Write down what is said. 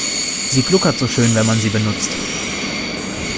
Sie gluckert so schön, wenn man sie benutzt.